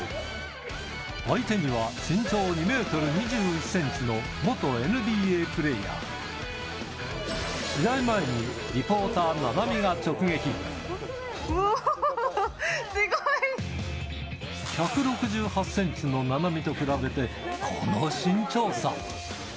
相手には、身長２メートル２１センチの元ＮＢＡプレーヤー。試合前にリポーター、うおお、すごい。１６８センチの菜波と比べて、この身長差。